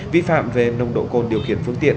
vi phạm về nông độ còn điều khiển phương tiện